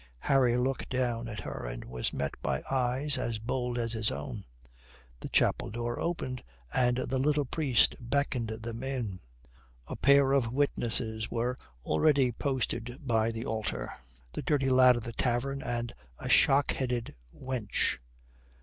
Harry looked down at her and was met by eyes as bold as his own. The chapel door opened, and the little priest beckoned them in. A pair of witnesses were already posted by the altar, the dirty lad of the tavern and a shock headed wench.